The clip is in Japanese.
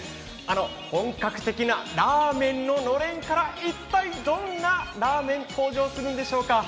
本格的なラーメンののれんから一体どんなラーメンが登場するんでしょうか。